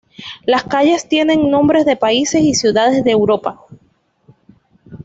Las calles tienen nombres de países y ciudades de Europa.